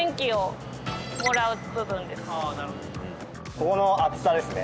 ここの厚さですね。